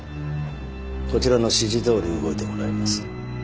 こちらの指示どおり動いてもらいます